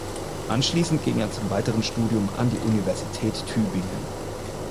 Anschließend ging er zum weiteren Studium an die Universität Tübingen.